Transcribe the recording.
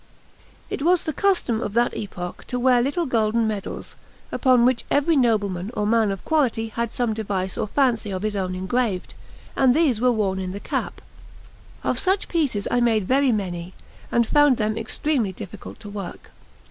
It was the custom at that epoch to wear little golden medals, upon which every nobleman or man of quality had some device or fancy of his own engraved; and these were worn in the cap. Of such pieces I made very many, and found them extremely difficult to work.